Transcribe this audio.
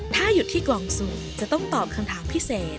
ถ้าหยุดที่กล่องสูบจะต้องตอบคำถามพิเศษ